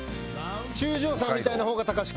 中條さんみたいな方がタカシ君。